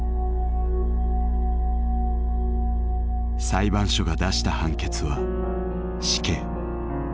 裁判所が出した判決は死刑。